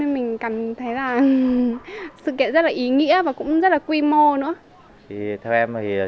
mình cảm thấy là sự kiện rất là ý nghĩa và cũng rất là quy mô nữa